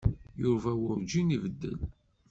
Yuba werǧin ibeddel.